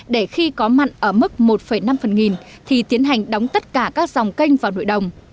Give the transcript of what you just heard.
để khi có mặn ở mức một năm phần nghìn thì tiến hành đóng tất cả các dòng kênh vào nội đồng